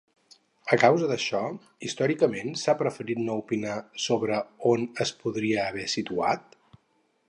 A causa d'això, històricament s'ha preferit no opinar sobre on es podria haver situat?